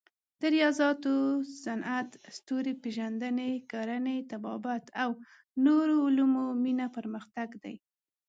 د ریاضیاتو، صنعت، ستوري پېژندنې، کرنې، طبابت او نورو علومو مینه پرمختګ دی.